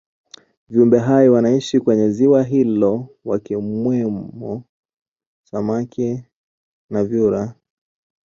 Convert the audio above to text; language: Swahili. viumbe hai wanaishi kwenye ziwa hilo wakimwemo samaki na vyura